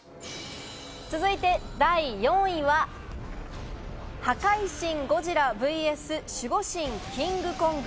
続いて第４位は破壊神ゴジラＶＳ守護神キングコング。